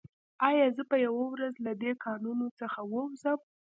ایا زه به یوه ورځ له دې کانونو څخه ووځم